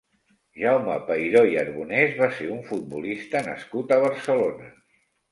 Jaume Peiró i Arbonès va ser un futbolista nascut a Barcelona.